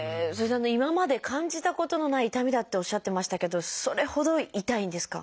今まで感じたことのない痛みだっておっしゃってましたけどそれほど痛いんですか？